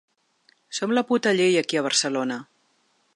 Som la puta llei aquí a Barcelona!